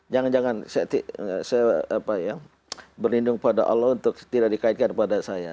jangan jangan saya berlindung pada allah untuk tidak dikaitkan pada saya